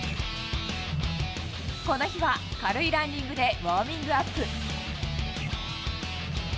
この日は軽いランニングでウォーミングアップ。